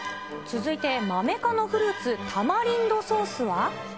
続いてマメ科のフルーツ、タマリンドソースは。